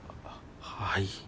はい？